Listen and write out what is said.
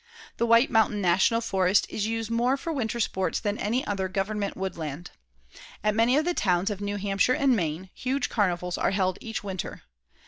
The White Mountain National Forest is used more for winter sports than any other government woodland. At many of the towns of New Hampshire and Maine, huge carnivals are held each winter.